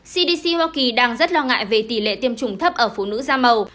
cdc hoa kỳ đang rất lo ngại về tỷ lệ tiêm chủng thấp ở phụ nữ da màu